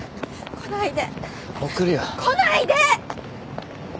来ないで！